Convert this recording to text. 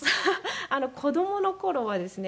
子供の頃はですね